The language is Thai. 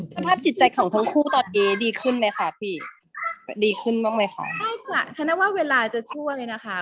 สภาพจิตใจของทั้งคู่ตอนนี้ดีขึ้นไหมคะพี่ดีขึ้นบ้างไหมคะใช่จ้ะถ้าว่าเวลาจะชั่วเลยนะคะ